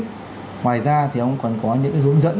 ngoài ra thì ông còn có những hướng dẫn